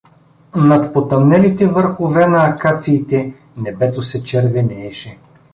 Над потъмнелите върхове на акациите небето се червенееше.